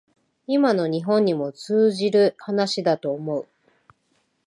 今の日本にも通じる話だと思う